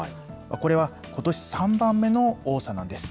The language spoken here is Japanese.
これはことし３番目の多さなんです。